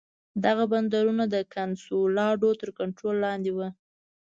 دغه بندرونه د کنسولاډو تر کنټرول لاندې وو.